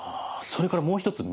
それからもう一つ